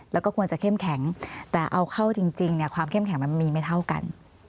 แล้วก็ควรจะเข้มแข็งแต่เอาเข้าจริงเนี่ยความเข้มแข็งมันมีไม่เท่ากัน